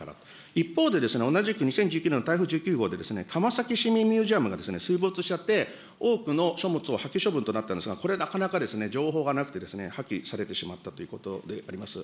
一方で、同じく２０１９年の台風１９号で、川崎市民ミュージアムが水没しちゃって、多くの書物を、破棄処分となったんですが、これ、なかなか情報がなくて、破棄されてしまったということであります。